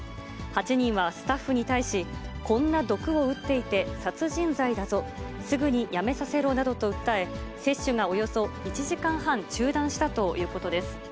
８人はスタッフに対し、こんな毒を打っていて殺人罪だぞ、すぐにやめさせろなどと訴え、接種がおよそ１時間半中断したということです。